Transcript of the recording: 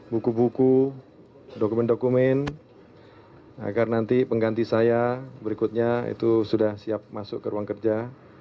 buku buku dokumen dokumen agar nanti pengganti saya berikutnya itu sudah siap masuk ke ruang kerja